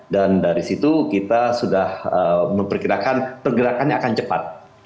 dan dari situ kita sudah memperkirakan pergerakannya akan cepat